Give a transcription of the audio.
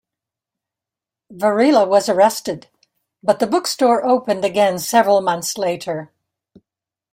Varela was arrested, but the bookstore opened again several months later.